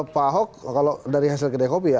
pak ahok kalau dari hasil kedai kopi ya